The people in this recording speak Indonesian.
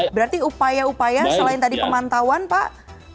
berarti upaya upaya selain tadi pemantauan pak